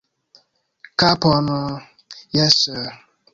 Kapon... jes...